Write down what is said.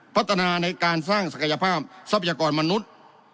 พัฒนาในการสร้างศักยภาพทรัพยากรมนุษย์